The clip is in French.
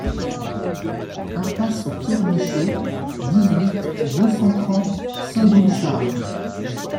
Impasse Pierre Michot, dix-huit, deux cent trente Saint-Doulchard